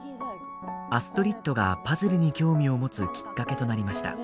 アストリッドがパズルに興味を持つ、きっかけとなりました。